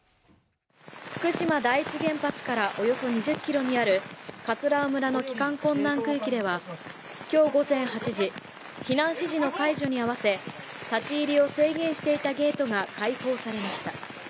福島第一原発からおよそ２０ｋｍにある葛尾村の帰還困難区域では今日午前８時、避難指示の解除に合わせ、立ち入りを制限していたゲートが開放されました。